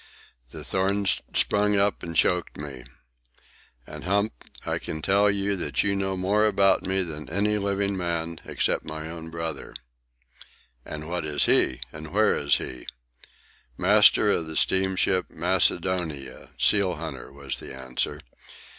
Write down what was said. The thorns sprung up and choked me. And, Hump, I can tell you that you know more about me than any living man, except my own brother." "And what is he? And where is he?" "Master of the steamship Macedonia, seal hunter," was the answer.